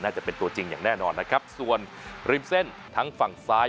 จะเป็นตัวจริงอย่างแน่นอนนะครับส่วนริมเส้นทั้งฝั่งซ้าย